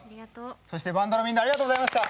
そしてバンドのみんなありがとうございました。